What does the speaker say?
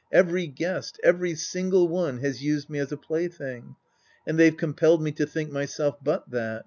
Every guest, every single one, has used me as a plaything. And they've compelled me to think myself but that.